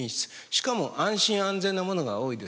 しかも安心安全なものが多いです。